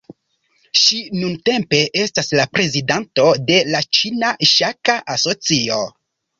Ŝi nuntempe estas la prezidanto de la Ĉina Ŝaka Asocio.